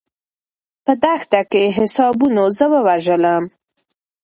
په دښته کې حسابونو زه ووژلم.